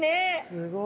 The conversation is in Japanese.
すごい。